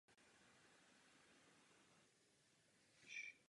Vyrůstal na různých předměstích jižní Kalifornie.